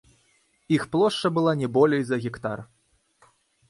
Іх плошча была не болей за гектар.